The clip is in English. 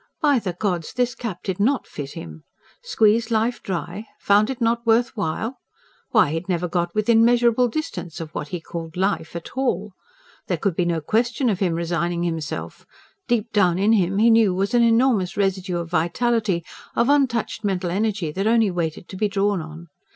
By the gods, this cap did NOT fit him! Squeezed life try? ... found it not worth while? Why, he had never got within measurable distance of what he called life, at all! There could be no question of him resigning himself: deep down in him, he knew, was an enormous residue of vitality, of untouched mental energy that only waited to be drawn on.